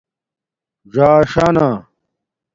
ژاݽانہ